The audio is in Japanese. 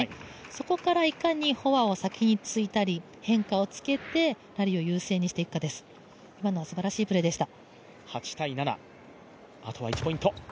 そこからいかにフォアを先についたり変化をつけてラリーを優勢にしていくかです、今のはすばらしいプレーでした。